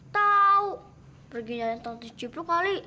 tahu pergi jalan tante cipro kali